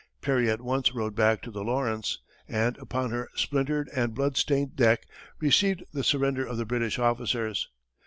Perry at once rowed back to the Lawrence, and upon her splintered and bloodstained deck, received the surrender of the British officers.